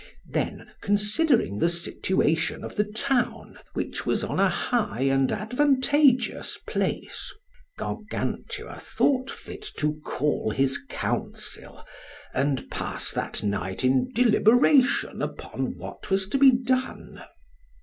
Then considering the situation of the town, which was on a high and advantageous place, Gargantua thought fit to call his council, and pass that night in deliberation upon what was to be done.